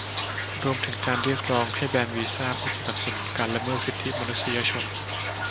รวมถึงการเรียกร้องให้แบนวีซ่าผู้สนับสนุนการละเมิดสิทธิมนุษยชน